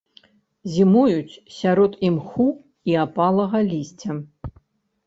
Зімуюць сярод імху і апалага лісця.